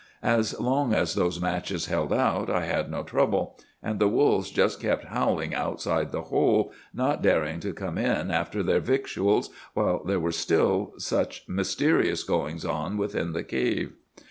As long as those matches held out, I had no trouble; and the wolves just kept howling outside the hole, not daring to come in after their victuals while there were such mysterious goings on within the cave.